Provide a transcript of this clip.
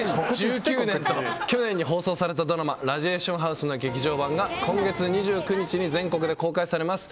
去年に放送されたドラマ「ラジエーションハウス」の劇場版が今月２９日に全国で公開されます。